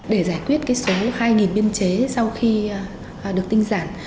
để giải quyết số hai biên chế sau khi được tinh giản